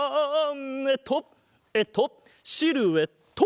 えっとえっとシルエット！